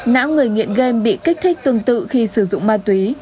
não người nghiện game bị kích thích tương tự khi sử dụng ma túy